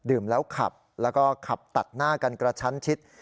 ขับแล้วก็ขับตัดหน้ากันกระชั้นชิด